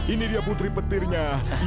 ini dia putri petirnya